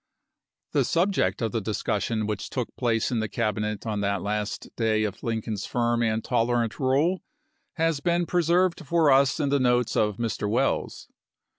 1 Api. u,i865. The subject of the discussion which took place in the Cabinet on that last day of Lincoln's firm and tolerant rule has been preserved for us in the notes of Mr. Welles.